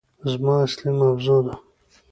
زما اصلي موضوع ده